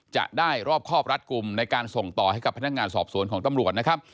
จะได้รอบครอบรัดกลุ่มในการส่งต่อให้กับพนักงานสอบสวนของตำรวจนะครับ